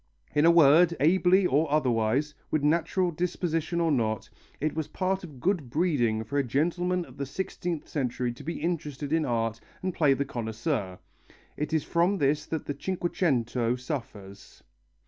In a word, ably or otherwise, with natural disposition or not, it was part of good breeding for a gentleman of the sixteenth century to be interested in art and play the connoisseur. It is from this that the Cinquecento suffers.